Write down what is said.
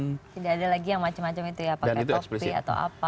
tidak ada lagi yang macam macam itu ya pakai topi atau apa